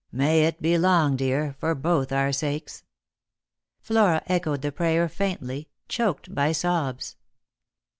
May it be long, dear, for both our sakes !" Flora echoed the prayer faintly, choked by sobs.